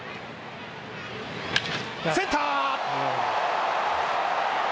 センター。